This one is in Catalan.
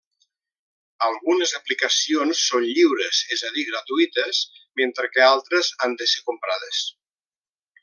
Algunes aplicacions són lliures, és a dir gratuïtes, mentre que altres han de ser comprades.